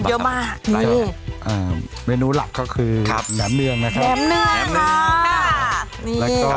อันนี้อ่าเมนูหลักก็คือครับแนมเนืองนะครับแนมเนืองแล้วก็